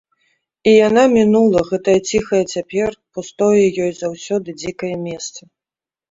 І яна мінула гэтае ціхае цяпер, пустое ёй заўсёды дзікае месца.